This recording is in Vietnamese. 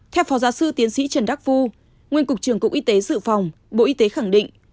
theo phó giáo sư tiến sĩ trần đắc phu nguyên cục trưởng cục y tế dự phòng bộ y tế khẳng định